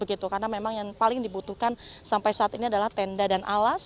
karena memang yang paling dibutuhkan sampai saat ini adalah tenda dan alas